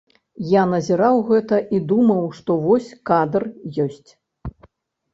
Я назіраў гэта і думаў, што вось кадр ёсць.